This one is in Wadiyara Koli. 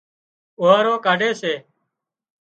ٻوهارو ڪاڍي سي۔